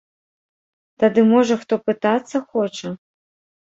Тады можа хто пытацца хоча?